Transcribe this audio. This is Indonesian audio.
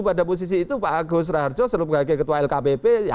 pada posisi itu pak agus raharjo selalu berkata ke ketua lkpp